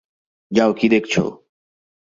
যাও, কী দেখছ?